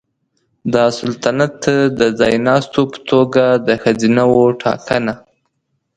د سلطنت د ځایناستو په توګه د ښځینه وو ټاکنه